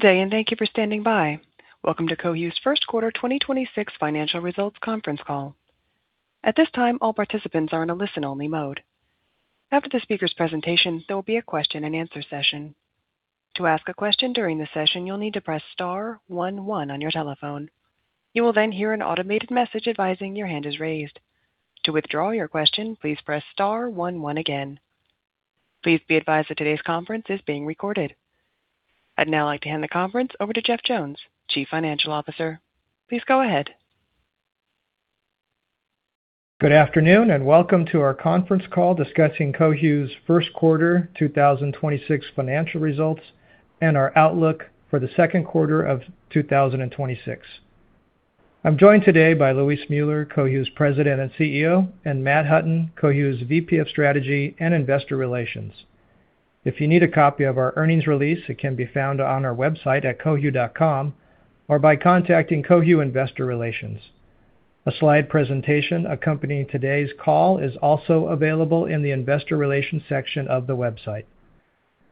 Good day, and thank you for standing by. Welcome to Cohu's first quarter 2026 financial results conference call. At this time, all participants are in a listen-only mode. After the speaker's presentation, there will be a question-and-answer session. Please be advised that today's conference is being recorded. I'd now like to hand the conference over to Jeff Jones, Chief Financial Officer. Please go ahead. Good afternoon, and welcome to our conference call discussing Cohu's first quarter 2026 financial results and our outlook for the second quarter of 2026. I'm joined today by Luis Müller, Cohu's President and CEO, and Matt Hutton, Cohu's VP of Strategy and Investor Relations. If you need a copy of our earnings release, it can be found on our website at cohu.com or by contacting Cohu Investor Relations. A slide presentation accompanying today's call is also available in the Investor Relations section of the website.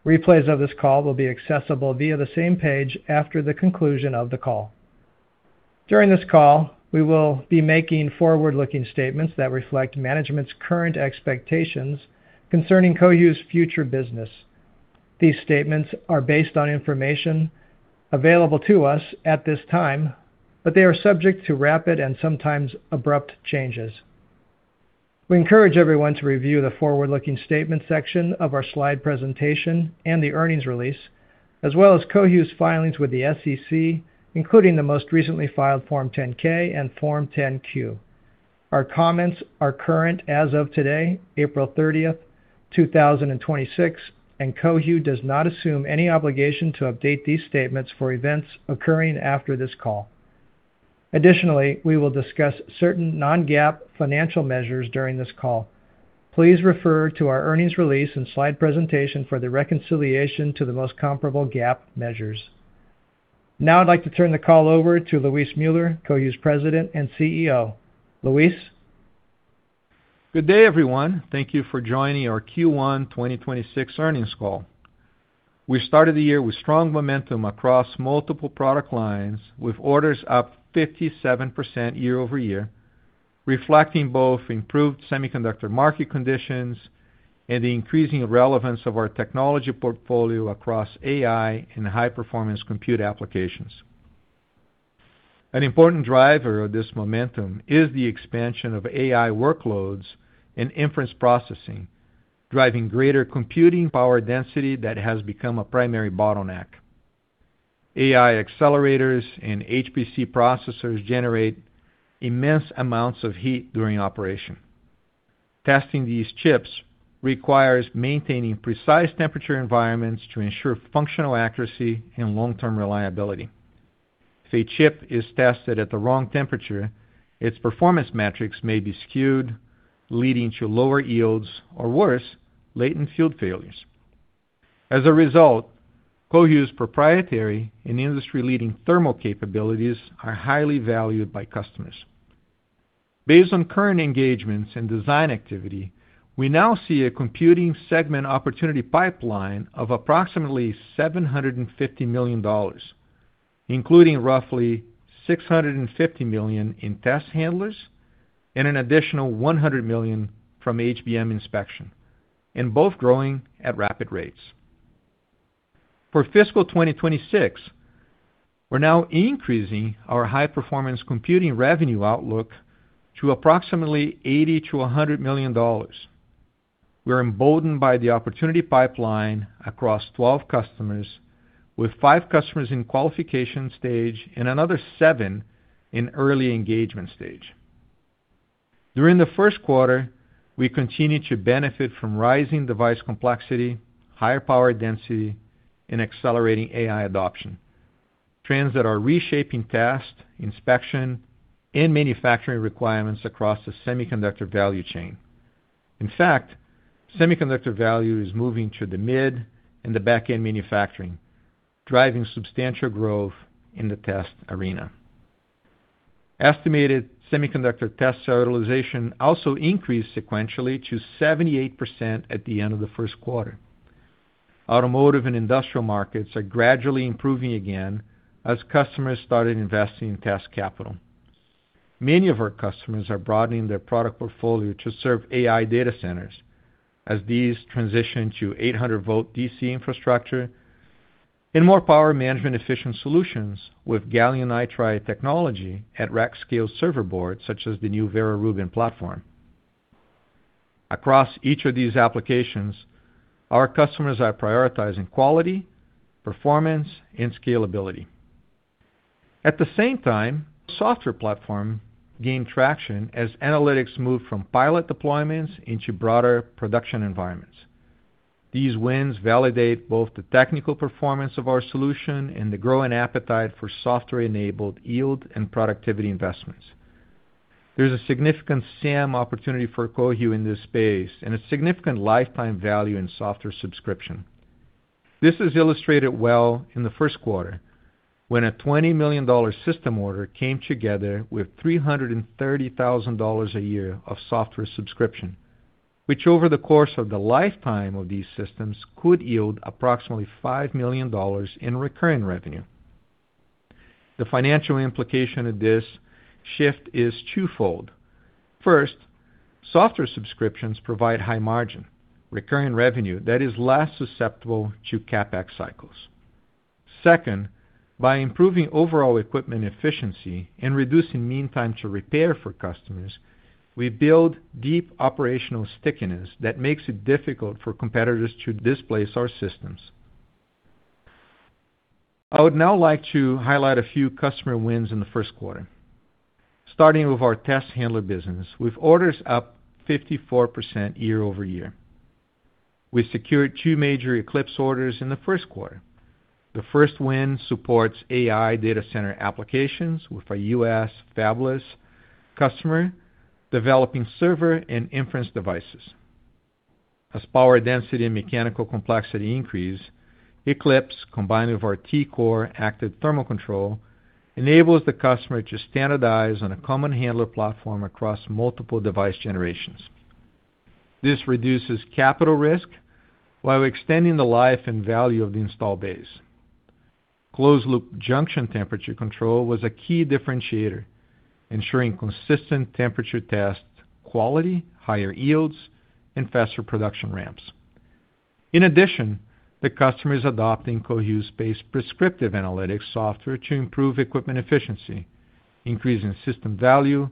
Replays of this call will be accessible via the same page after the conclusion of the call. During this call, we will be making forward-looking statements that reflect management's current expectations concerning Cohu's future business. These statements are based on information available to us at this time, but they are subject to rapid and sometimes abrupt changes. We encourage everyone to review the forward-looking statement section of our slide presentation and the earnings release, as well as Cohu's filings with the SEC, including the most recently filed Form 10-K and Form 10-Q. Our comments are current as of today, April 30th, 2026, and Cohu does not assume any obligation to update these statements for events occurring after this call. Additionally, we will discuss certain non-GAAP financial measures during this call. Please refer to our earnings release and slide presentation for the reconciliation to the most comparable GAAP measures. Now I'd like to turn the call over to Luis Müller, Cohu's President and CEO. Luis. Good day, everyone. Thank you for joining our Q1 2026 earnings call. We started the year with strong momentum across multiple product lines, with orders up 57% year-over-year, reflecting both improved semiconductor market conditions and the increasing relevance of our technology portfolio across AI and high-performance compute applications. An important driver of this momentum is the expansion of AI workloads and inference processing, driving greater computing power density that has become a primary bottleneck. AI accelerators and HPC processors generate immense amounts of heat during operation. Testing these chips requires maintaining precise temperature environments to ensure functional accuracy and long-term reliability. If a chip is tested at the wrong temperature, its performance metrics may be skewed, leading to lower yields or, worse, latent field failures. As a result, Cohu's proprietary and industry-leading thermal capabilities are highly valued by customers. Based on current engagements and design activity, we now see a computing segment opportunity pipeline of approximately $750 million, including roughly $650 million in test handlers and an additional $100 million from HBM inspection, and both growing at rapid rates. For fiscal 2026, we're now increasing our high-performance computing revenue outlook to approximately $80 million-$100 million. We're emboldened by the opportunity pipeline across 12 customers, with five customers in qualification stage and another seven in early engagement stage. During the first quarter, we continued to benefit from rising device complexity, higher power density, and accelerating AI adoption, trends that are reshaping test, inspection, and manufacturing requirements across the semiconductor value chain. In fact, semiconductor value is moving to the mid and the back-end manufacturing, driving substantial growth in the test arena. Estimated semiconductor test utilization also increased sequentially to 78% at the end of the first quarter. Automotive and industrial markets are gradually improving again as customers started investing in test capital. Many of our customers are broadening their product portfolio to serve AI data centers as these transition to 800 V DC infrastructure and more power management efficient solutions with gallium nitride technology at rack-scale server boards such as the new Vera Rubin platform. Across each of these applications, our customers are prioritizing quality, performance, and scalability. At the same time, software platform gained traction as analytics moved from pilot deployments into broader production environments. These wins validate both the technical performance of our solution and the growing appetite for software-enabled yield and productivity investments. There's a significant SAM opportunity for Cohu in this space, and a significant lifetime value in software subscription. This is illustrated well in the first quarter, when a $20 million system order came together with $330,000 a year of software subscription. Which over the course of the lifetime of these systems could yield approximately $5 million in recurring revenue. The financial implication of this shift is twofold. First, software subscriptions provide high margin recurring revenue that is less susceptible to CapEx cycles. Second, by improving overall equipment efficiency and reducing mean time to repair for customers, we build deep operational stickiness that makes it difficult for competitors to displace our systems. I would now like to highlight a few customer wins in the first quarter. Starting with our test handler business, with orders up 54% year-over-year. We secured two major Eclipse orders in the first quarter. The first win supports AI data center applications with a U.S. fabless customer developing server and inference devices. As power density and mechanical complexity increase, Eclipse, combined with our T-Core active thermal control, enables the customer to standardize on a common handler platform across multiple device generations. This reduces capital risk while extending the life and value of the install base. Closed-loop junction temperature control was a key differentiator, ensuring consistent temperature test quality, higher yields, and faster production ramps. In addition, the customer is adopting Cohu's PAICe Prescriptive analytics software to improve equipment efficiency, increasing system value,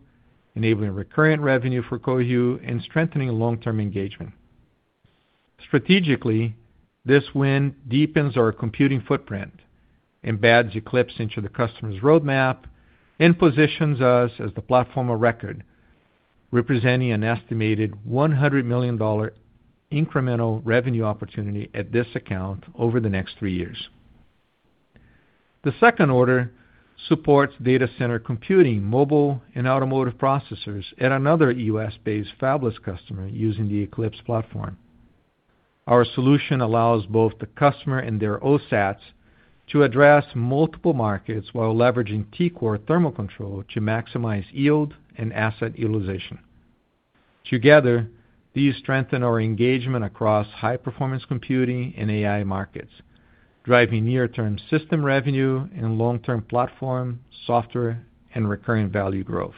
enabling recurring revenue for Cohu, and strengthening long-term engagement. Strategically, this win deepens our computing footprint, embeds Eclipse into the customer's roadmap, and positions us as the platform of record, representing an estimated $100 million incremental revenue opportunity at this account over the next three years. The second order supports data center computing, mobile, and automotive processors at another U.S.-based fabless customer using the Eclipse platform. Our solution allows both the customer and their OSATs to address multiple markets while leveraging T-Core thermal control to maximize yield and asset utilization. Together, these strengthen our engagement across high-performance computing and AI markets, driving near-term system revenue and long-term platform, software, and recurring value growth.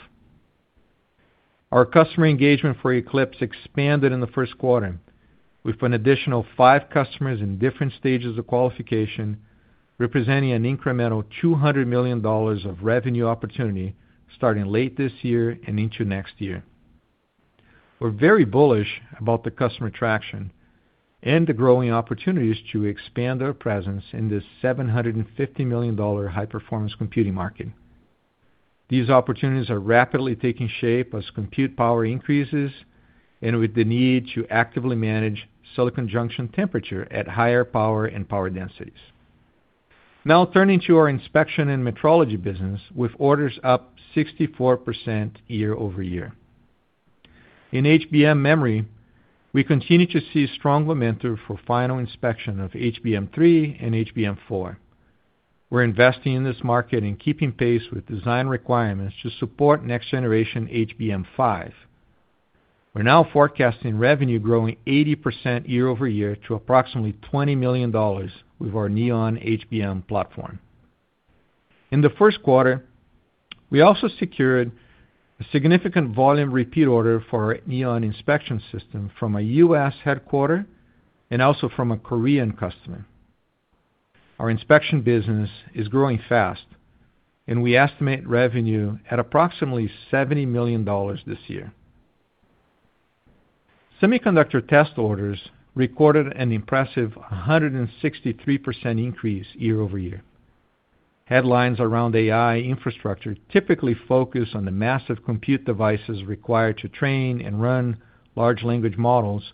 Our customer engagement for Eclipse expanded in the first quarter. We put an additional five customers in different stages of qualification, representing an incremental $200 million of revenue opportunity starting late this year and into next year. We're very bullish about the customer traction and the growing opportunities to expand our presence in this $750 million high-performance computing market. These opportunities are rapidly taking shape as compute power increases and with the need to actively manage silicon junction temperature at higher power and power densities. Now turning to our inspection and metrology business, with orders up 64% year-over-year. In HBM memory, we continue to see strong momentum for final inspection of HBM3 and HBM4. We're investing in this market and keeping pace with design requirements to support next-generation HBM5. We're now forecasting revenue growing 80% year-over-year to approximately $20 million with our Neon HBM platform. In the first quarter, we also secured a significant volume repeat order for our Neon inspection system from a U.S. headquarter and also from a Korean customer. Our inspection business is growing fast, and we estimate revenue at approximately $70 million this year. Semiconductor test orders recorded an impressive 163% increase year-over-year. Headlines around AI infrastructure typically focus on the massive compute devices required to train and run large language models,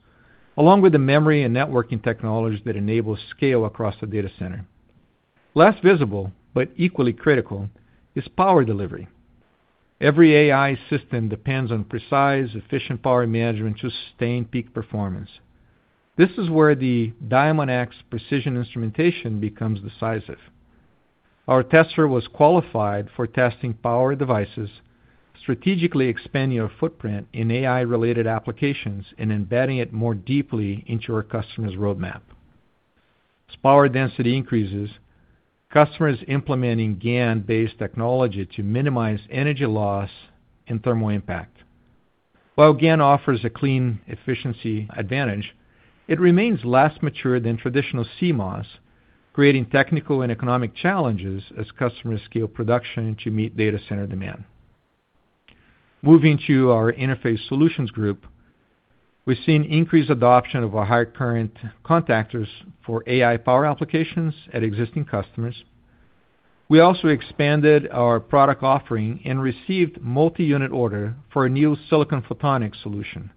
along with the memory and networking technologies that enable scale across the data center. Less visible, but equally critical, is power delivery. Every AI system depends on precise, efficient power management to sustain peak performance. This is where the Diamondx precision instrumentation becomes decisive. Our tester was qualified for testing power devices, strategically expanding our footprint in AI-related applications and embedding it more deeply into our customer's roadmap. As power density increases, customers implementing GaN-based technology to minimize energy loss and thermal impact. While GaN offers a clean efficiency advantage, it remains less mature than traditional CMOS, creating technical and economic challenges as customers scale production to meet data center demand. Moving to our Interface Solutions Group, we've seen increased adoption of our high current contactors for AI power applications at existing customers. We also expanded our product offering and received multi-unit order for a new silicon photonics solution.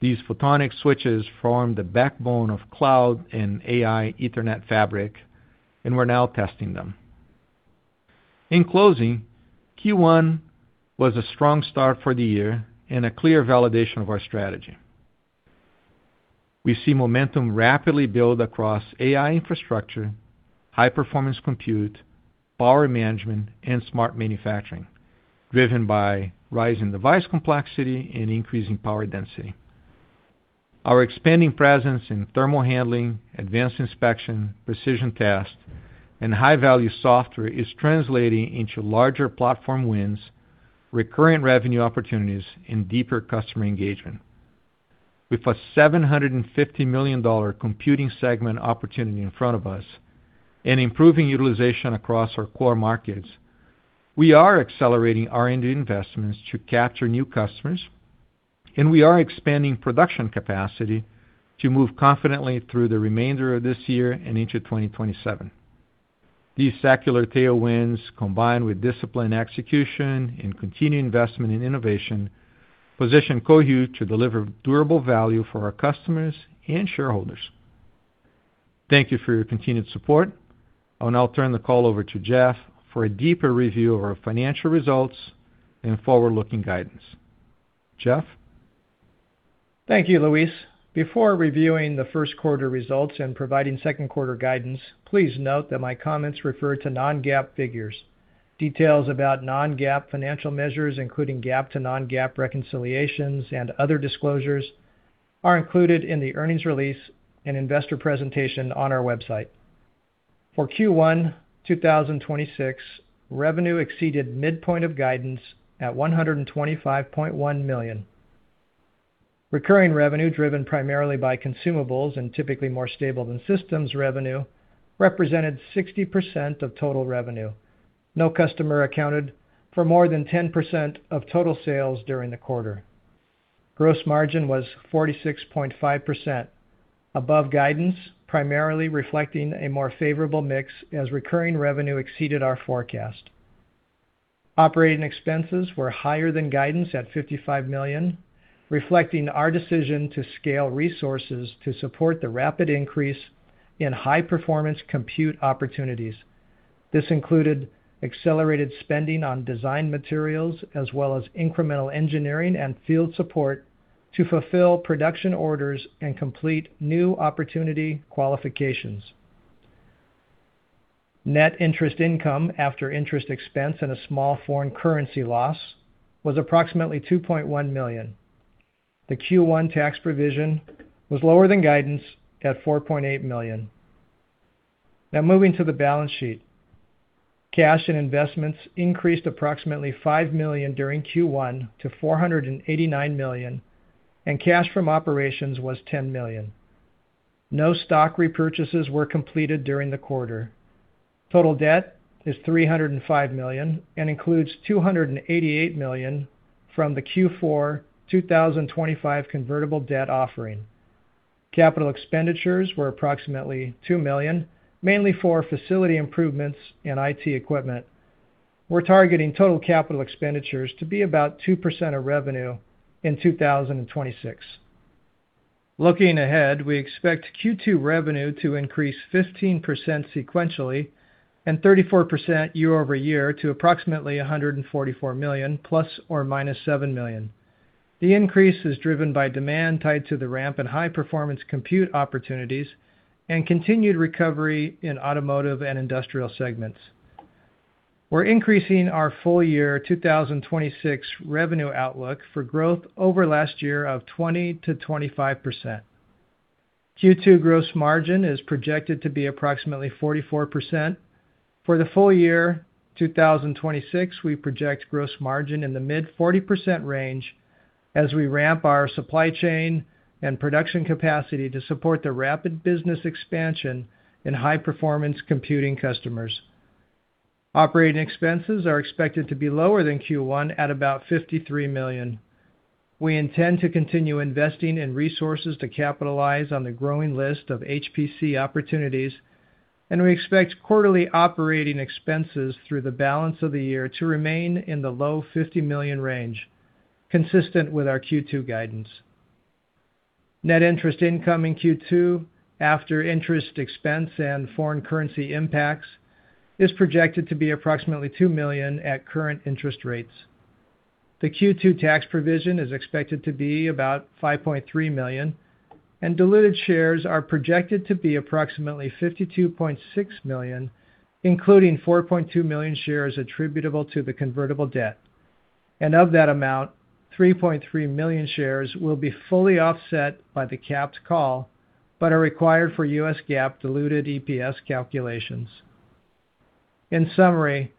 These photonics switches form the backbone of cloud and AI Ethernet fabric, and we're now testing them. In closing, Q1 was a strong start for the year and a clear validation of our strategy. We see momentum rapidly build across AI infrastructure, high-performance compute, power management, and smart manufacturing, driven by rising device complexity and increasing power density. Our expanding presence in thermal handling, advanced inspection, precision test, and high-value software is translating into larger platform wins, recurring revenue opportunities, and deeper customer engagement. With a $750 million computing segment opportunity in front of us and improving utilization across our core markets, we are accelerating R&D investments to capture new customers, and we are expanding production capacity to move confidently through the remainder of this year and into 2027. These secular tailwinds, combined with disciplined execution and continued investment in innovation, position Cohu to deliver durable value for our customers and shareholders. Thank you for your continued support. I'll now turn the call over to Jeff for a deeper review of our financial results and forward-looking guidance. Jeff? Thank you, Luis. Before reviewing the first quarter results and providing second quarter guidance, please note that my comments refer to non-GAAP figures. Details about non-GAAP financial measures, including GAAP to non-GAAP reconciliations and other disclosures, are included in the earnings release and investor presentation on our website. For Q1 2026, revenue exceeded midpoint of guidance at $125.1 million. Recurring revenue, driven primarily by consumables and typically more stable than systems revenue, represented 60% of total revenue. No customer accounted for more than 10% of total sales during the quarter. Gross margin was 46.5%, above guidance, primarily reflecting a more favorable mix as recurring revenue exceeded our forecast. Operating expenses were higher than guidance at $55 million, reflecting our decision to scale resources to support the rapid increase in high-performance compute opportunities. This included accelerated spending on design materials as well as incremental engineering and field support to fulfill production orders and complete new opportunity qualifications. Net interest income after interest expense and a small foreign currency loss was approximately $2.1 million. The Q1 tax provision was lower than guidance at $4.8 million. Now moving to the balance sheet. Cash and investments increased approximately $5 million during Q1 to $489 million, and cash from operations was $10 million. No stock repurchases were completed during the quarter. Total debt is $305 million and includes $288 million from the Q4 2025 convertible debt offering. Capital expenditures were approximately $2 million, mainly for facility improvements and IT equipment. We're targeting total capital expenditures to be about 2% of revenue in 2026. Looking ahead, we expect Q2 revenue to increase 15% sequentially and 34% year-over-year to approximately $144 million, ±$7 million. The increase is driven by demand tied to the ramp in high-performance compute opportunities and continued recovery in automotive and industrial segments. We're increasing our full-year 2026 revenue outlook for growth over last year of 20%-25%. Q2 gross margin is projected to be approximately 44%. For the full-year 2026, we project gross margin in the mid-40% range as we ramp our supply chain and production capacity to support the rapid business expansion in high-performance computing customers. OpEx are expected to be lower than Q1 at about $53 million. We intend to continue investing in resources to capitalize on the growing list of HPC opportunities. We expect quarterly operating expenses through the balance of the year to remain in the low $50 million range, consistent with our Q2 guidance. Net interest income in Q2 after interest expense and foreign currency impacts is projected to be approximately $2 million at current interest rates. The Q2 tax provision is expected to be about $5.3 million. Diluted shares are projected to be approximately 52.6 million, including 4.2 million shares attributable to the convertible debt. Of that amount, 3.3 million shares will be fully offset by the capped call but are required for U.S. GAAP diluted EPS calculations. In summary,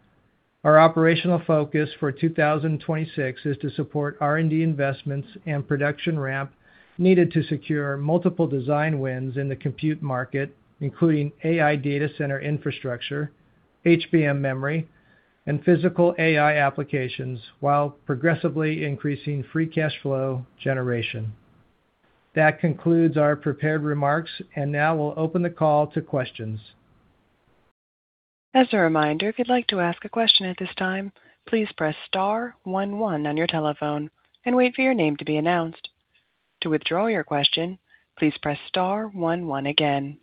our operational focus for 2026 is to support R&D investments and production ramp needed to secure multiple design wins in the compute market, including AI data center infrastructure, HBM memory, and physical AI applications, while progressively increasing free cash flow generation. That concludes our prepared remarks, and now we'll open the call to questions. As a reminder, if you'd like to ask a question at this time, please press star one one on your telephone and wait for your name to be announced. To withdraw your question, please press star one one again.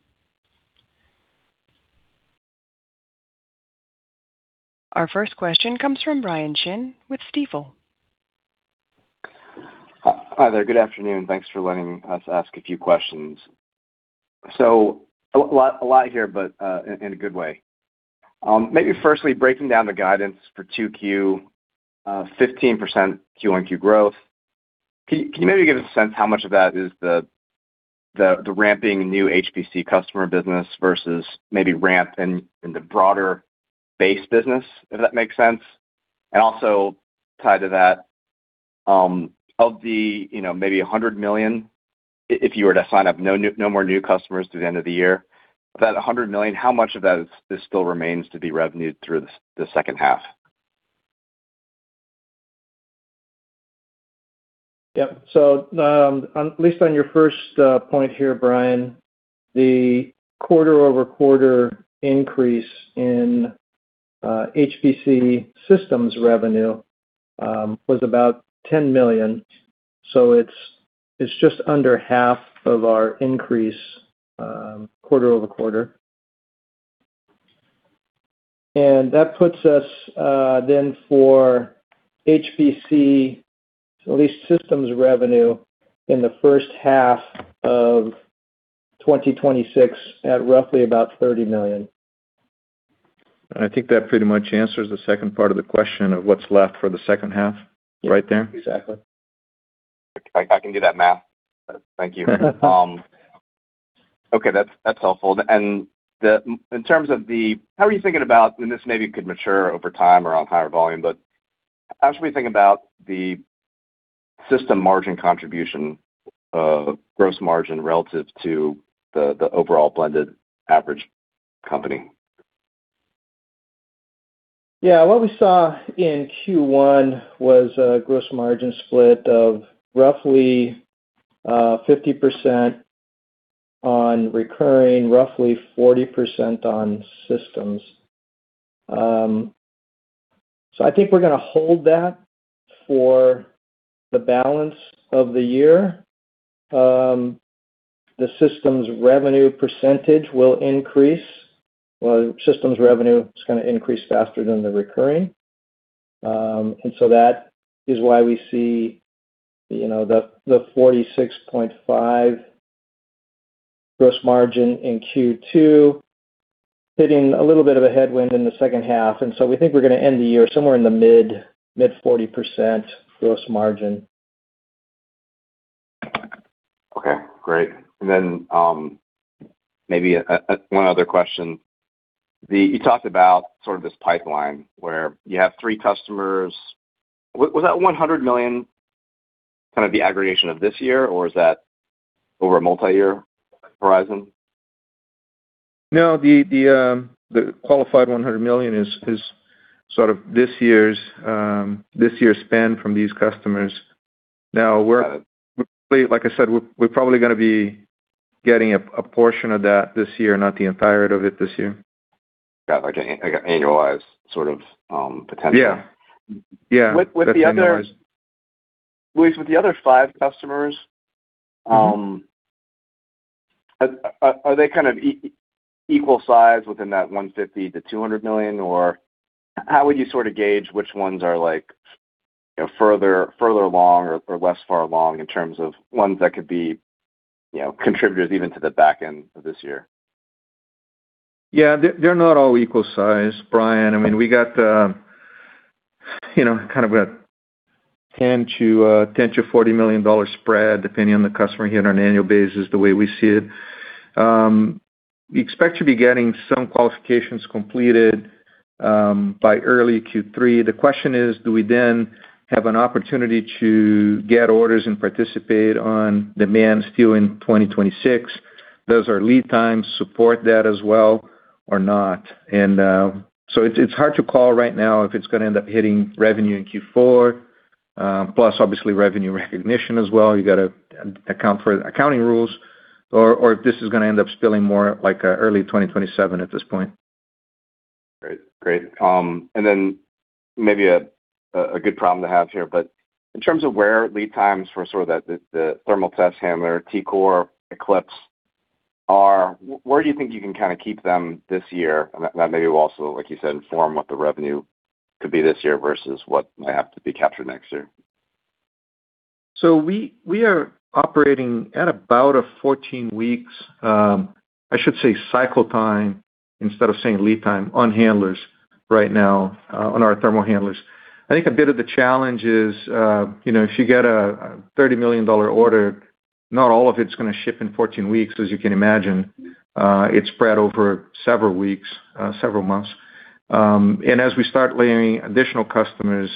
Our first question comes from Brian Chin with Stifel. Hi there. Good afternoon. Thanks for letting us ask a few questions. A lot, a lot here, but in a good way. Maybe firstly, breaking down the guidance for 2Q, 15% Q1 Q growth. Can you maybe give a sense how much of that is the ramping new HPC customer business versus maybe ramp in the broader base business, if that makes sense? Also tied to that, you know, maybe $100 million, if you were to sign up no more new customers through the end of the year, that $100 million, how much of that still remains to be revenued through the second half? Yeah. At least on your first point here, Brian, the quarter-over-quarter increase in HPC systems revenue was about $10 million. It's just under half of our increase quarter-over-quarter. That puts us then for HPC, at least systems revenue in the first half of 2026 at roughly about $30 million. I think that pretty much answers the second part of the question of what's left for the second half right there. Exactly. I can do that math, but thank you. Okay, that's helpful. How are you thinking about, and this maybe could mature over time or on higher volume, but how should we think about the system margin contribution, gross margin relative to the overall blended average company? What we saw in Q1 was a gross margin split of roughly 50% on recurring, roughly 40% on systems. I think we're gonna hold that for the balance of the year. The systems revenue percentage will increase. Well, systems revenue is gonna increase faster than the recurring. That is why we see, you know, the 46.5% gross margin in Q2 hitting a little bit of a headwind in the second half. We think we're gonna end the year somewhere in the mid-40% gross margin. Okay, great. Maybe one other question. You talked about sort of this pipeline where you have three customers. Was that $100 million kind of the aggregation of this year, or is that over a multiyear horizon? No. The qualified $100 million is sort of this year's, this year's spend from these customers. Got it. Like I said, we're probably gonna be getting a portion of that this year, not the entirety of it this year. Got like an annualized sort of potential. Yeah. Yeah. With. That's annualized. Luis, with the other five customers, are they kind of equal size within that $150 million-$200 million, or how would you sort of gauge which ones are like, you know, further along or less far along in terms of ones that could be, you know, contributors even to the back end of this year? Yeah. They're, they're not all equal size, Brian. I mean, we got, you know, kind of a $10 million-$40 million spread depending on the customer here on an annual basis, the way we see it. We expect to be getting some qualifications completed by early Q3. The question is, do we then have an opportunity to get orders and participate on demand still in 2026? Does our lead times support that as well or not? It's, it's hard to call right now if it's gonna end up hitting revenue in Q4, plus obviously revenue recognition as well. You gotta account for accounting rules or if this is gonna end up spilling more like, early 2027 at this point. Great. Great. Then maybe a good problem to have here, but in terms of where lead times for sort of the thermal test handler T-Core Eclipse are, where do you think you can kind of keep them this year? That maybe will also, like you said, inform what the revenue could be this year versus what might have to be captured next year. We are operating at about a 14 weeks, I should say cycle time instead of saying lead time on handlers right now, on our thermal handlers. I think a bit of the challenge is, you know, if you get a $30 million order, not all of it's gonna ship in 14 weeks, as you can imagine. It's spread over several weeks, several months. As we start landing additional customers,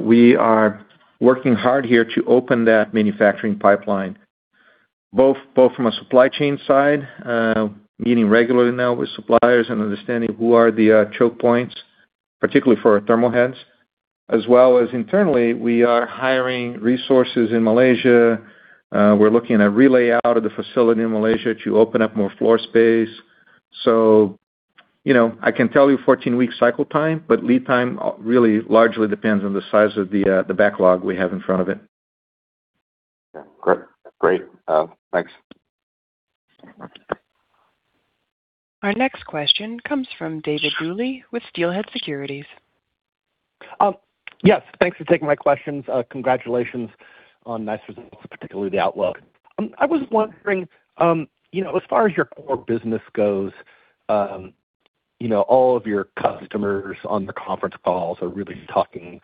we are working hard here to open that manufacturing pipeline, both from a supply chain side, meeting regularly now with suppliers and understanding who are the choke points, particularly for our thermal heads. As well as internally, we are hiring resources in Malaysia. We're looking at re-layout of the facility in Malaysia to open up more floor space. You know, I can tell you 14 week cycle time, but lead time really largely depends on the size of the backlog we have in front of it. Yeah. Great. Great. Thanks. Our next question comes from David Duley with Steelhead Securities. Yes, thanks for taking my questions. Congratulations on nice results, particularly the outlook. I was wondering, you know, as far as your core business goes, you know, all of your customers on the conference calls are really talking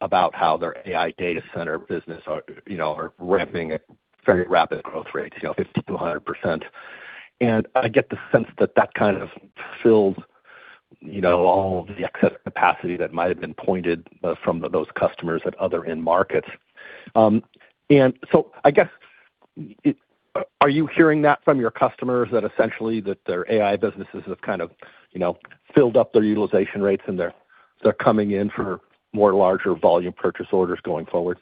about how their AI data center business are, you know, are ramping at very rapid growth rates, you know, 50%-100%. I get the sense that that kind of filled, you know, all the excess capacity that might have been pointed from those customers at other end markets. I guess, are you hearing that from your customers that essentially that their AI businesses have kind of, you know, filled up their utilization rates and they're coming in for more larger volume purchase orders going forward?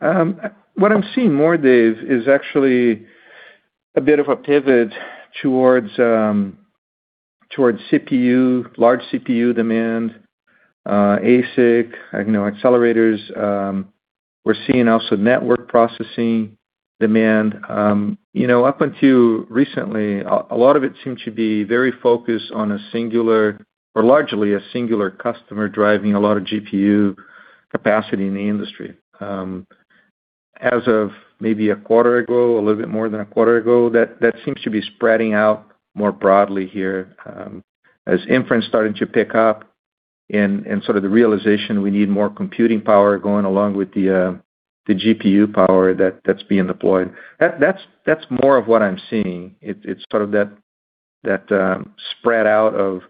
What I'm seeing more, Dave, is actually a bit of a pivot towards CPU, large CPU demand, ASIC, you know, accelerators. We're seeing also network processing demand. You know, up until recently, a lot of it seemed to be very focused on a singular or largely a singular customer driving a lot of GPU capacity in the industry. As of maybe a quarter ago, a little bit more than a quarter ago, that seems to be spreading out more broadly here, as inference starting to pick up and sort of the realization we need more computing power going along with the GPU power that's being deployed. That's more of what I'm seeing. It's sort of that spread out of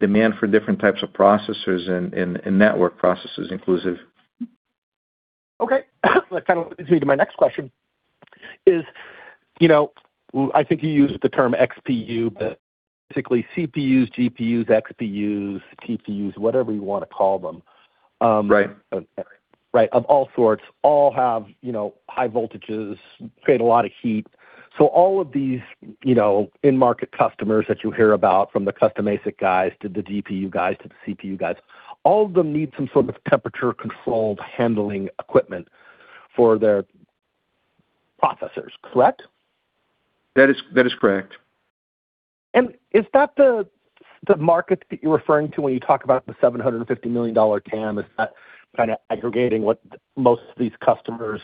demand for different types of processors and network processors inclusive. Okay. That kind of leads me to my next question, is, you know, I think you used the term XPU, but basically CPUs, GPUs, XPUs, TPUs, whatever you wanna call them. Right. Right. Of all sorts, all have, you know, high voltages, create a lot of heat. All of these, you know, end market customers that you hear about from the custom ASIC guys to the DPU guys to the CPU guys, all of them need some sort of temperature-controlled handling equipment for their processors, correct? That is correct. Is that the market that you're referring to when you talk about the $750 million TAM? Is that kinda aggregating what most of these customers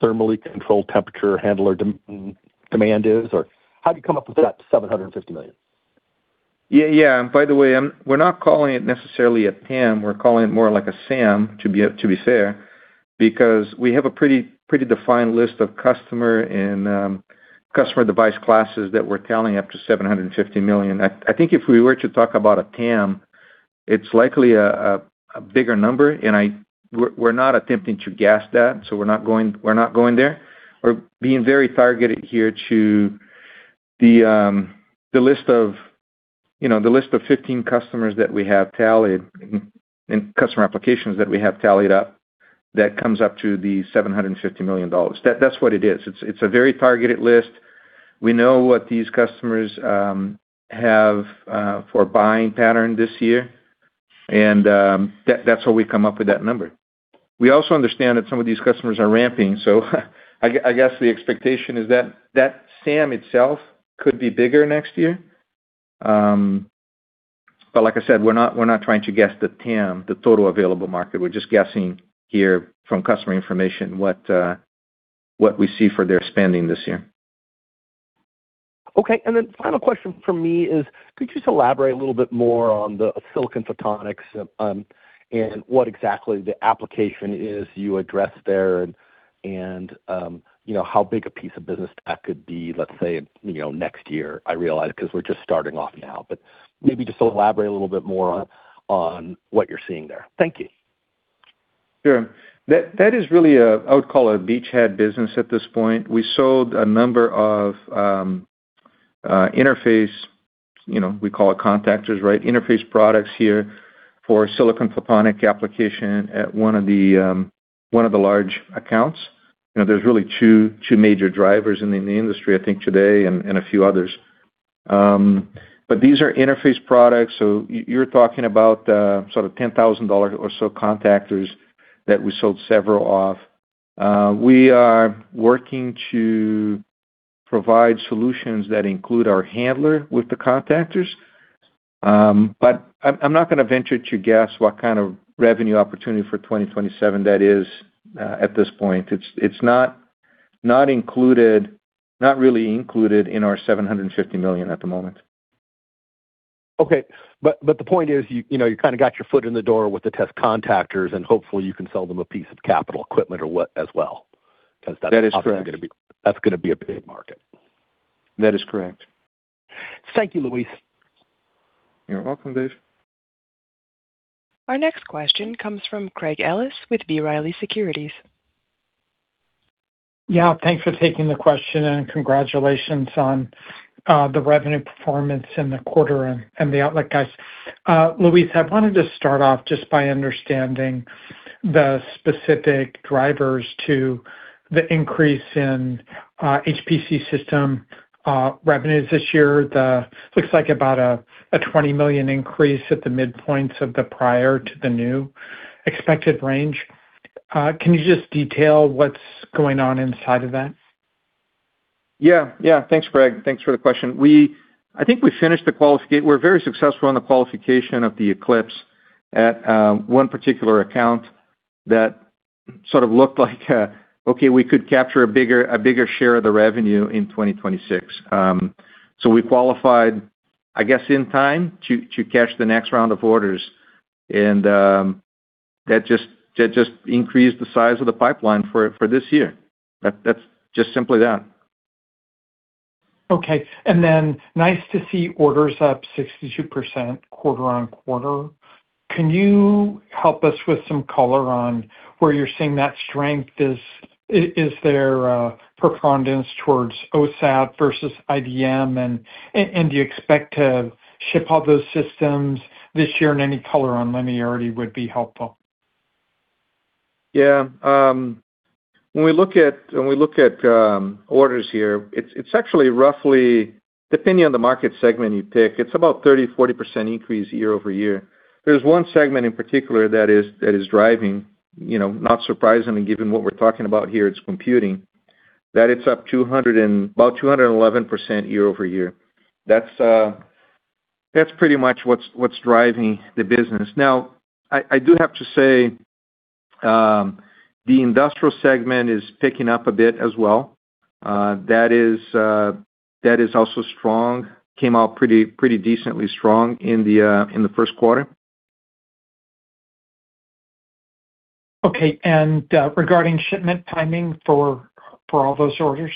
thermally controlled temperature handler demand is? How do you come up with that $750 million? Yeah, yeah. By the way, we're not calling it necessarily a TAM. We're calling it more like a SAM, to be fair, because we have a pretty defined list of customer and customer device classes that we're tallying up to $750 million. I think if we were to talk about a TAM, it's likely a bigger number, we're not attempting to guess that, we're not going there. We're being very targeted here to the list of the list of 15 customers that we have tallied and customer applications that we have tallied up that comes up to the $750 million. That's what it is. It's a very targeted list. We know what these customers have for buying pattern this year and that's how we come up with that number. We also understand that some of these customers are ramping, so I guess the expectation is that SAM itself could be bigger next year. Like I said, we're not, we're not trying to guess the TAM, the total available market. We're just guessing here from customer information what we see for their spending this year. Okay. Final question from me is, could you just elaborate a little bit more on the silicon photonics, and what exactly the application is you address there and, you know, how big a piece of business that could be, let's say, you know, next year? I realize 'cause we're just starting off now, but maybe just elaborate a little bit more on what you're seeing there. Thank you. Sure. That is really a, I would call a beachhead business at this point. We sold a number of interface, you know, we call it contactors, right, interface products here for silicon photonic application at one of the large accounts. There's really two major drivers in the industry, I think today and a few others. These are interface products, so you're talking about sort of 10,000 or so contactors that we sold several of. We are working to provide solutions that include our handler with the contactors. I'm not gonna venture to guess what kind of revenue opportunity for 2027 that is at this point. It's not included, not really included in our $750 million at the moment. Okay. The point is, you know, you kinda got your foot in the door with the test contactors, and hopefully you can sell them a piece of capital equipment or what as well. That is correct. That's obviously gonna be a big market. That is correct. Thank you, Luis. You're welcome, Dave. Our next question comes from Craig Ellis with B. Riley Securities. Thanks for taking the question and congratulations on the revenue performance in the quarter and the outlook, guys. Luis, I wanted to start off just by understanding the specific drivers to the increase in HPC system revenues this year. Looks like about a $20 million increase at the midpoints of the prior to the new expected range. Can you just detail what's going on inside of that? Yeah. Yeah. Thanks, Craig. Thanks for the question. I think we're very successful on the qualification of the Eclipse at one particular account that sort of looked like, okay, we could capture a bigger, a bigger share of the revenue in 2026. We qualified, I guess, in time to catch the next round of orders, and that just increased the size of the pipeline for this year. That's just simply that. Okay. Nice to see orders up 62% quarter-over-quarter. Can you help us with some color on where you're seeing that strength? Is there a preponderance towards OSAT versus IDM? Do you expect to ship all those systems this year? Any color on linearity would be helpful. Yeah. When we look at orders here, it's actually roughly, depending on the market segment you pick, it's about 30%-40% increase year-over-year. There's one segment in particular that is driving, you know, not surprisingly given what we're talking about here, it's computing, that it's up about 211% year-over-year. That's pretty much what's driving the business. Now, I do have to say, the industrial segment is picking up a bit as well. That is also strong. Came out pretty decently strong in the first quarter. Okay. regarding shipment timing for all those orders?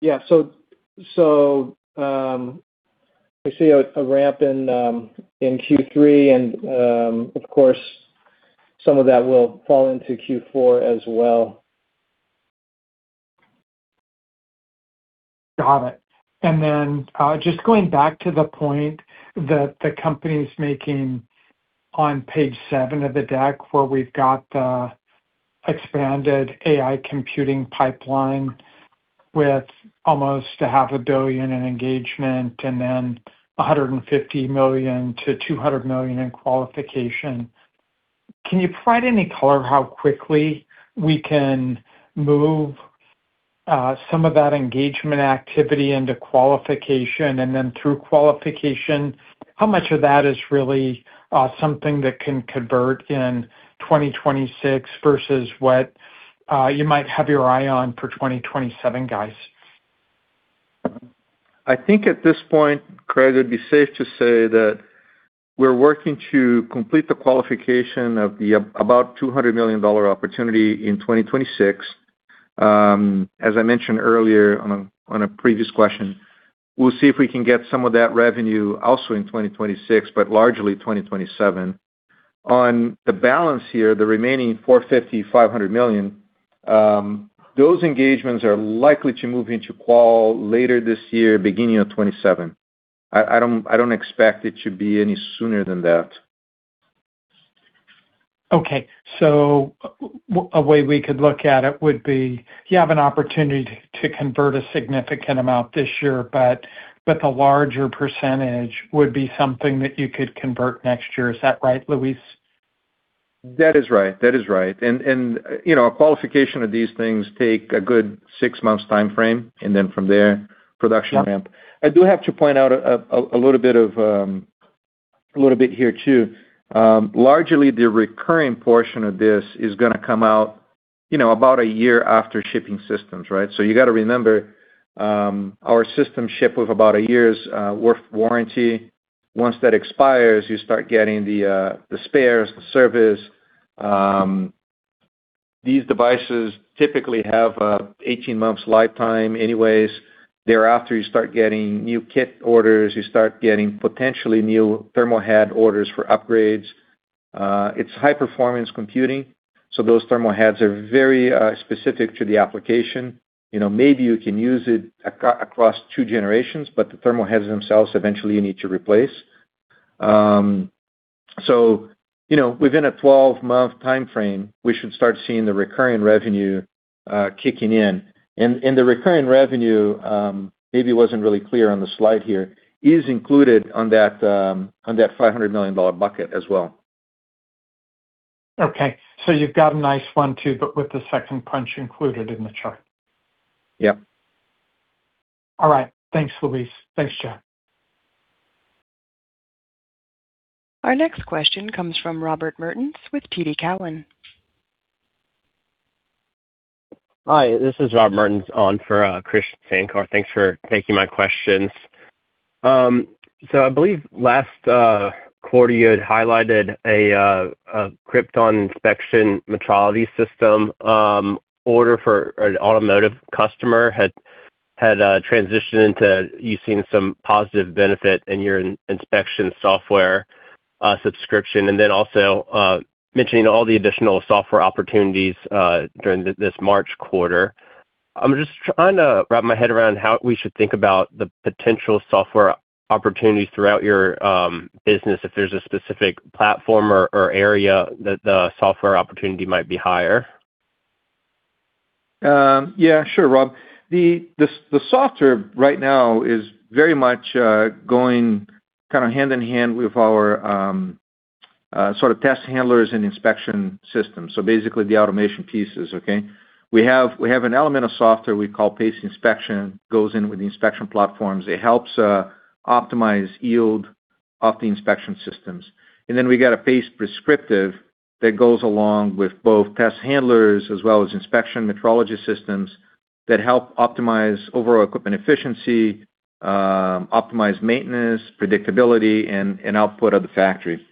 Yeah. We see a ramp in Q3 and of course, some of that will fall into Q4 as well. Got it. Just going back to the point that the company's making on page seven of the deck where we've got the expanded AI computing pipeline with almost a $500 million in engagement and then $150 million-$200 million in qualification. Can you provide any color how quickly we can move some of that engagement activity into qualification? Through qualification, how much of that is really something that can convert in 2026 versus what you might have your eye on for 2027, guys? I think at this point, Craig, it would be safe to say that we're working to complete the qualification of the about $200 million opportunity in 2026. As I mentioned earlier on a, on a previous question, we'll see if we can get some of that revenue also in 2026, but largely 2027. On the balance here, the remaining $450 million-$500 million, those engagements are likely to move into qual later this year, beginning of 2027. I don't expect it to be any sooner than that. Okay. A way we could look at it would be you have an opportunity to convert a significant amount this year, but with a larger percentage would be something that you could convert next year. Is that right, Luis? That is right. That is right. You know, a qualification of these things take a good six months timeframe, and then from there, production ramp. I do have to point out a little bit of a little bit here too. Largely the recurring portion of this is gonna come out, you know, about one year after shipping systems, right? You gotta remember, our system ship with about one year's worth warranty. Once that expires, you start getting the spares, the service. These devices typically have a 18 months lifetime anyways. Thereafter, you start getting new kit orders. You start getting potentially new thermal head orders for upgrades. It's high-performance computing, so those thermal heads are very specific to the application. You know, maybe you can use it across two generations, but the thermal heads themselves eventually you need to replace. You know, within a 12-month timeframe, we should start seeing the recurring revenue kicking in. The recurring revenue, maybe it wasn't really clear on the slide here, is included on that, on that $500 million bucket as well. Okay. You've got a nice one, too, but with the second punch included in the chart. Yep. All right. Thanks, Luis. Thanks, Jeff. Our next question comes from Robert Mertens with TD Cowen. Hi, this is Rob Mertens on for Krish Sankar. Thanks for taking my questions. I believe last quarter you had highlighted a Krypton inspection metrology system order for an automotive customer had transitioned into you seeing some positive benefit in your inspection software subscription. Also mentioning all the additional software opportunities during this March quarter. I'm just trying to wrap my head around how we should think about the potential software opportunities throughout your business, if there's a specific platform or area that the software opportunity might be higher. Yeah, sure, Rob. The software right now is very much going kind of hand in hand with our sort of test handlers and inspection system. Basically the automation pieces, okay. We have an element of software we call PAICe Inspection, goes in with the inspection platforms. It helps optimize yield off the inspection systems. Then we got a PAICe Prescriptive that goes along with both test handlers as well as inspection metrology systems that help optimize overall equipment efficiency, optimize maintenance, predictability and output of the factory.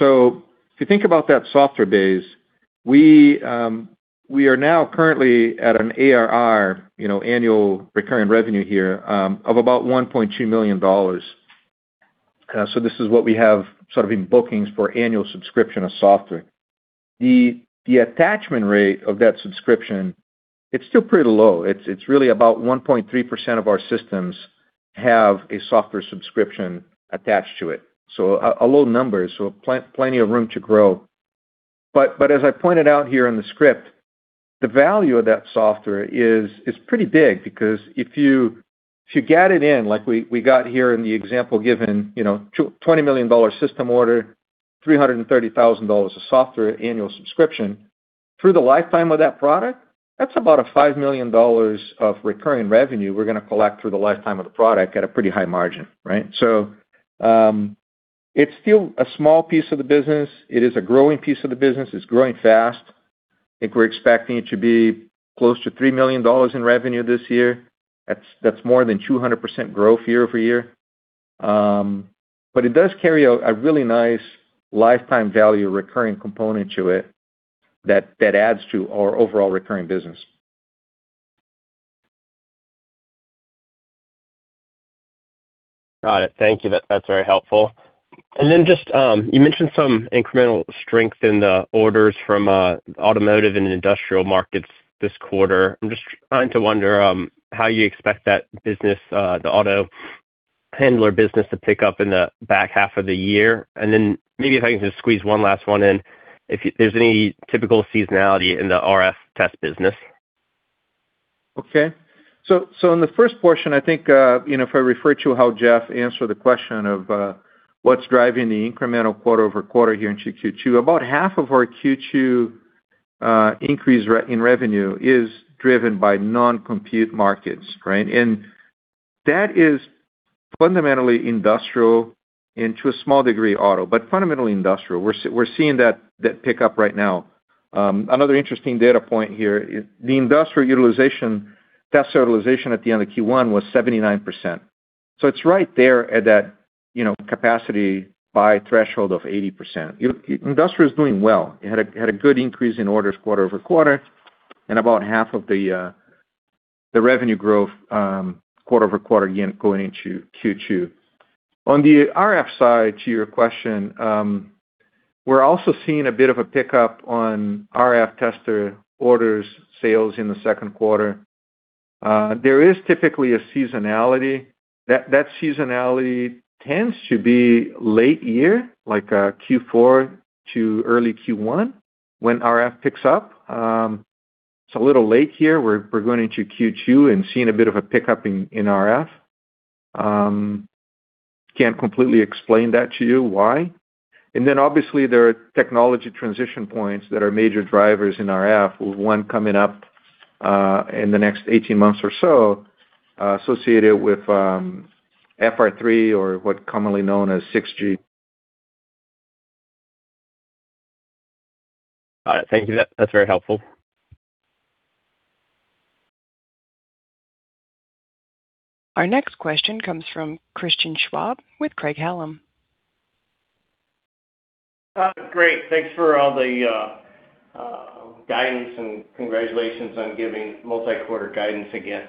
If you think about that software base, we are now currently at an ARR, you know, annual recurring revenue here, of about $1.2 million. This is what we have sort of in bookings for annual subscription of software. The attachment rate of that subscription, it's still pretty low. It's really about 1.3% of our systems have a software subscription attached to it. A low number, so plenty of room to grow. As I pointed out here in the script, the value of that software is pretty big because if you get it in like we got here in the example given, you know, $20 million system order, $330,000 of software annual subscription, through the lifetime of that product, that's about a $5 million of recurring revenue we're gonna collect through the lifetime of the product at a pretty high margin, right? It's still a small piece of the business. It is a growing piece of the business. It's growing fast. I think we're expecting it to be close to $3 million in revenue this year. That's more than 200% growth year-over-year. It does carry a really nice lifetime value recurring component to it that adds to our overall recurring business. Got it. Thank you. That's very helpful. You mentioned some incremental strength in the orders from automotive and industrial markets this quarter. I'm just trying to wonder how you expect that business, the auto handler business to pick up in the back half of the year. If I can just squeeze one last one in, if there's any typical seasonality in the RF test business. In the first portion, I think, you know, if I refer to how Jeff answered the question of what's driving the incremental quarter-over-quarter here in Q2, about half of our Q2 increase in revenue is driven by non-compute markets, right? That is fundamentally industrial and to a small degree, auto. Fundamentally industrial. We're seeing that pick up right now. Another interesting data point here, the industrial utilization, test utilization at the end of Q1 was 79%. It's right there at that, you know, capacity by threshold of 80%. Industry is doing well. It had a good increase in orders quarter-over-quarter and about half of the revenue growth quarter-over-quarter again going into Q2. On the RF side, to your question, we're also seeing a bit of a pickup on RF tester orders sales in the second quarter. There is typically a seasonality. That, that seasonality tends to be late year, like, Q4 to early Q1 when RF picks up. It's a little late here. We're going into Q2 and seeing a bit of a pickup in RF. Can't completely explain that to you why. Obviously, there are technology transition points that are major drivers in RF, with one coming up in the next 18 months or so, associated with FR3 or what commonly known as 6G. All right. Thank you. That's very helpful. Our next question comes from Christian Schwab with Craig-Hallum. Great. Thanks for all the guidance and congratulations on giving multi-quarter guidance again.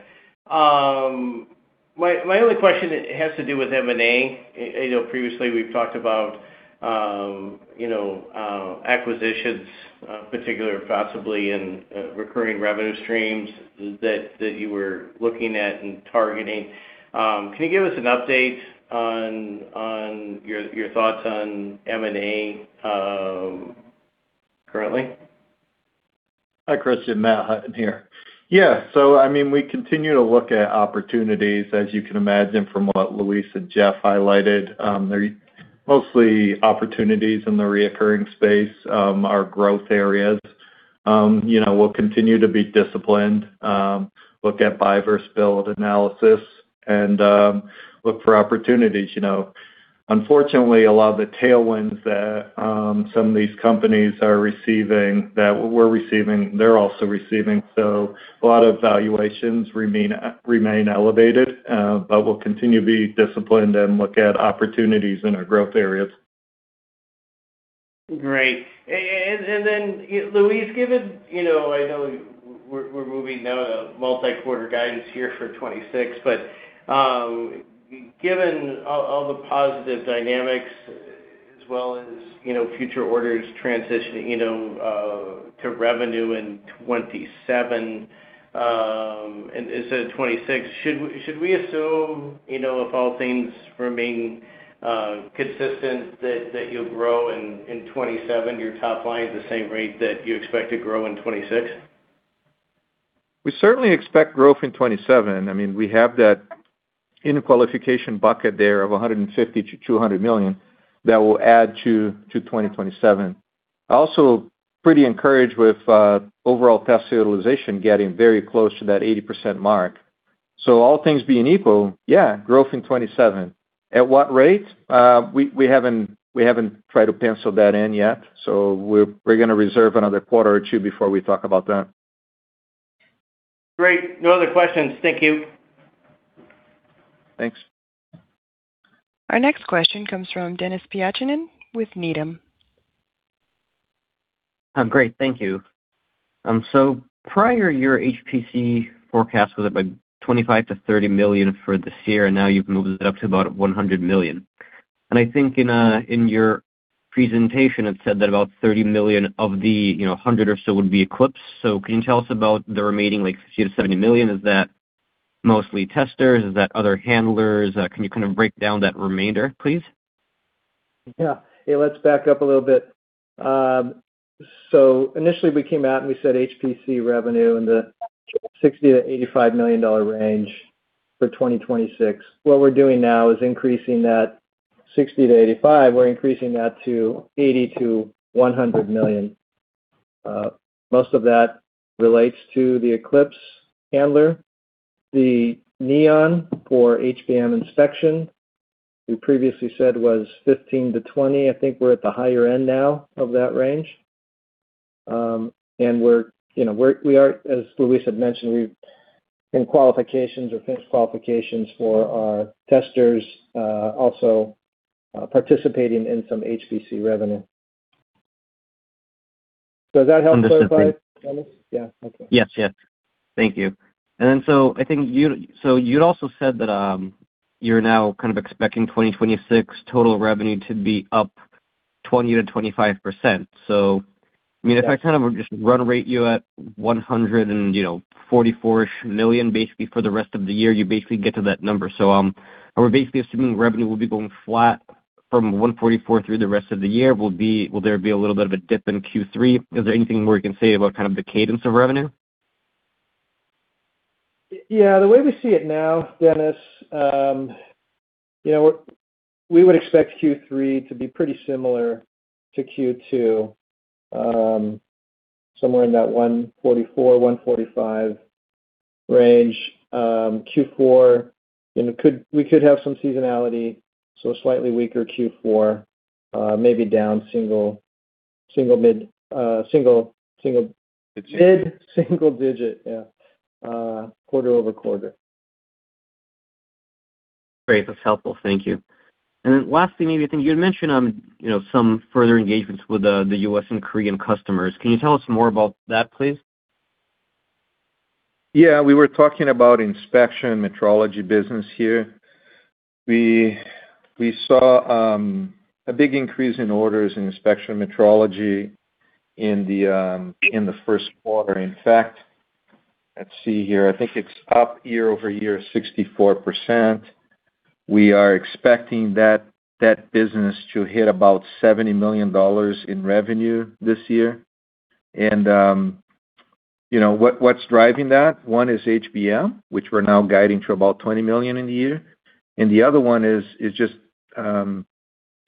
My only question has to do with M&A. You know, previously we've talked about, you know, acquisitions, particular possibly in recurring revenue streams that you were looking at and targeting. Can you give us an update on your thoughts on M&A currently? Hi, Christian. Matt Hutton here. Yeah. I mean, we continue to look at opportunities, as you can imagine from what Luis and Jeff highlighted. They're mostly opportunities in the reoccurring space, our growth areas. You know, we'll continue to be disciplined, look at buy versus build analysis and look for opportunities. You know, unfortunately, a lot of the tailwinds that some of these companies are receiving that we're receiving, they're also receiving. A lot of valuations remain elevated. We'll continue to be disciplined and look at opportunities in our growth areas. Great. Luis, given, you know, I know we're moving now to multi-quarter guidance here for 2026, but given all the positive dynamics as well as, you know, future orders transitioning, you know, to revenue in 2027, instead of 2026, should we assume, you know, if all things remain consistent that you'll grow in 2027, your top line at the same rate that you expect to grow in 2026? We certainly expect growth in 2027. I mean, we have that in qualification bucket there of $150 million to $200 million that will add to 2027. Also pretty encouraged with overall test utilization getting very close to that 80% mark. All things being equal, yeah, growth in 2027. At what rate? We haven't tried to pencil that in yet, we're gonna reserve another quarter or two before we talk about that. Great. No other questions. Thank you. Thanks. Our next question comes from Denis Pyatchanin with Needham. Great. Thank you. Prior your HPC forecast was up by $25 million-$30 million for this year, and now you've moved it up to about $100 million. I think in your presentation, it said that about $30 million of the, you know, $100 million or so would be Eclipse. Can you tell us about the remaining, like, $60 million-$70 million? Is that mostly testers? Is that other handlers? Can you kind of break down that remainder, please? Let's back up a little bit. Initially we came out, and we said HPC revenue in the $60 million-$85 million range for 2026. What we're doing now is increasing that $60 million-$85 million, we're increasing that to $80 million-$100 million. Most of that relates to the Eclipse handler. The Neon for HBM inspection, we previously said was $15 million-$20 million. I think we're at the higher end now of that range. We're, you know, we are, as Luis had mentioned, we're in qualifications or finished qualifications for our testers, also participating in some HPC revenue. Does that help clarify, Denis? Understood. Thank you. Yeah. Okay. Yes, yes. Thank you. I think you-- so you'd also said that, you're now kind of expecting 2026 total revenue to be up 20%-25%. I mean, if I kind of just run rate you at $144 million basically for the rest of the year, you basically get to that number. We're basically assuming revenue will be going flat from $144 million through the rest of the year. Will there be a little bit of a dip in Q3? Is there anything more you can say about kind of the cadence of revenue? Yeah. The way we see it now, Denis, you know, we would expect Q3 to be pretty similar to Q2, somewhere in that $144 million-$145 million range. Q4, you know, we could have some seasonality, so a slightly weaker Q4, maybe down single mid single digit, yeah, quarter-over-quarter. Great. That's helpful. Thank you. Lastly, maybe I think you had mentioned, you know, some further engagements with the U.S. and Korean customers. Can you tell us more about that, please? Yeah. We were talking about inspection metrology business here. We saw a big increase in orders in inspection metrology in the first quarter. In fact, let's see here. I think it's up year-over-year 64%. We are expecting that business to hit about $70 million in revenue this year. You know what's driving that? One is HBM, which we're now guiding to about $20 million in the year, the other one is just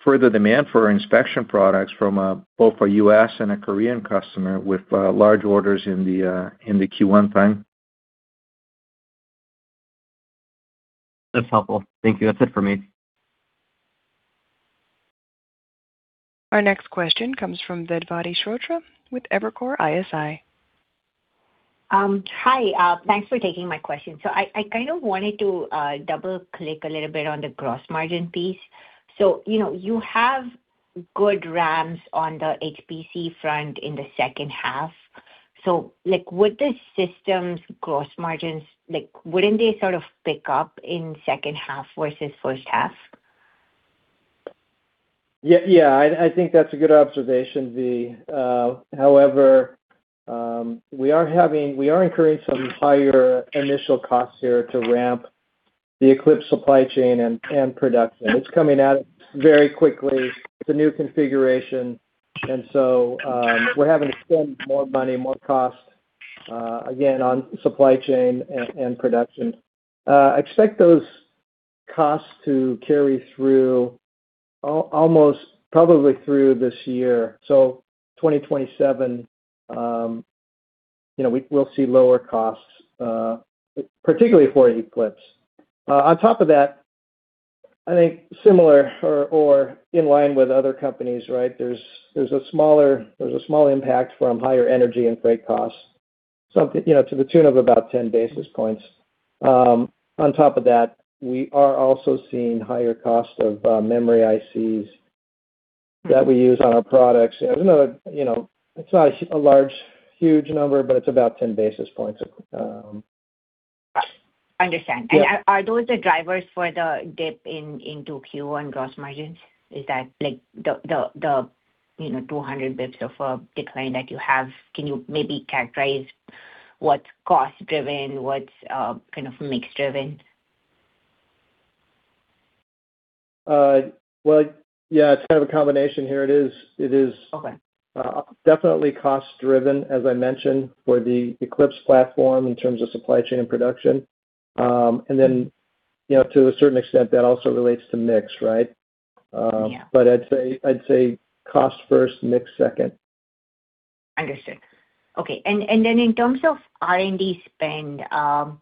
further demand for our inspection products from both a U.S. and a Korean customer with large orders in the Q1 frame. That's helpful. Thank you. That's it for me. Our next question comes from Vedvati Shrotre with Evercore ISI. Hi. Thanks for taking my question. I kind of wanted to double-click a little bit on the gross margin piece. You know, you have good ramps on the HPC front in the second half. Wouldn't the system's gross margins sort of pick up in second half versus first half? I think that's a good observation, V. However, we are incurring some higher initial costs here to ramp the Eclipse supply chain and production. It's coming at it very quickly. It's a new configuration. We're having to spend more money, more cost, again, on supply chain and production. Expect those costs to carry through almost probably through this year. 2027, you know, we'll see lower costs, particularly for Eclipse. On top of that, I think similar or in line with other companies, right, there's a small impact from higher energy and freight costs. You know, to the tune of about 10 basis points. On top of that, we are also seeing higher cost of memory ICs that we use on our products. You know, it's not a large, huge number, but it's about 10 basis points. Understand. Yeah. Are those the drivers for the dip in, into Q1 gross margins? Is that like the, you know, 200 basis points of decline that you have? Can you maybe characterize what's cost driven? What's kind of mix driven? Well, yeah, it's kind of a combination here. It is. Okay. Definitely cost-driven, as I mentioned, for the Eclipse platform in terms of supply chain and production. Then, you know, to a certain extent, that also relates to mix, right? Yeah. I'd say cost first, mix second. Understood. Okay. Then in terms of R&D spend, how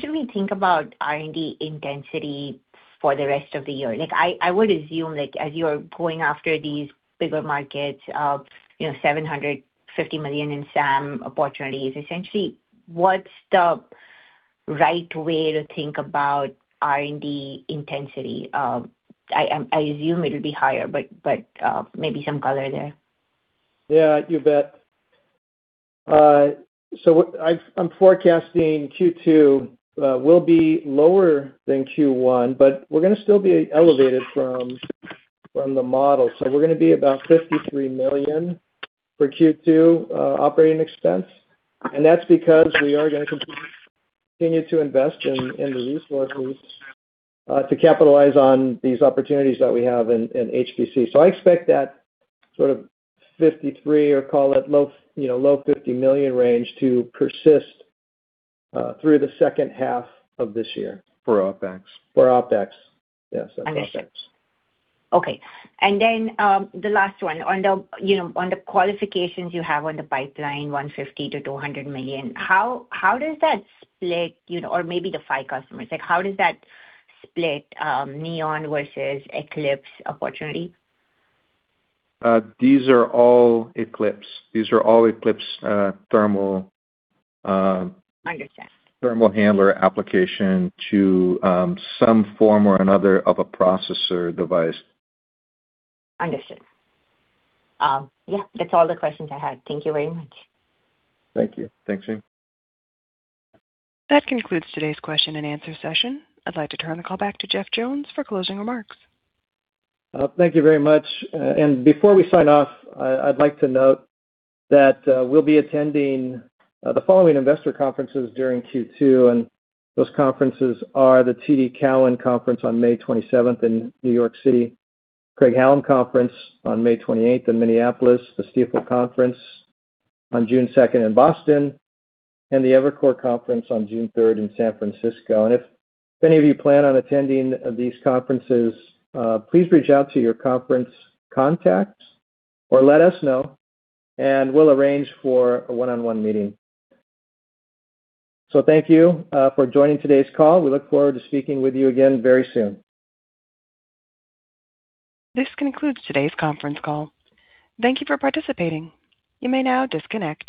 should we think about R&D intensity for the rest of the year? I would assume, as you're going after these bigger markets of, you know, $750 million in SAM opportunities, essentially, what's the right way to think about R&D intensity? I assume it'll be higher, but maybe some color there. Yeah, you bet. I'm forecasting Q2 will be lower than Q1, but we're gonna still be elevated from the model. We're gonna be about $53 million for Q2 operating expense. That's because we are gonna continue to invest in resources to capitalize on these opportunities that we have in HPC. I expect that sort of $53 million or call it you know, low $50 million range to persist through the second half of this year. For OpEx. For OpEx, yes. Understood. For OpEx. Okay. The last one. On the, you know, on the qualifications you have on the pipeline, $150 million-$200 million, how does that split, you know, or maybe the five customers, like, how does that split Neon versus Eclipse opportunity? These are all Eclipse thermal. Understood. Thermal handler application to, some form or another of a processor device. Understood. Yeah, that's all the questions I had. Thank you very much. Thank you. Thanks, V. That concludes today's question and answer session. I'd like to turn the call back to Jeff Jones for closing remarks. Thank you very much. Before we sign off, I'd like to note that we'll be attending the following investor conferences during Q2, and those conferences are the TD Cowen Conference on May 27th in New York City, Craig-Hallum Conference on May 28th in Minneapolis, the Stifel Conference on June 2nd in Boston, and the Evercore Conference on June 3rd in San Francisco. If any of you plan on attending these conferences, please reach out to your conference contacts or let us know, and we'll arrange for a one-on-one meeting. Thank you for joining today's call. We look forward to speaking with you again very soon. This concludes today's conference call. Thank you for participating. You may now disconnect.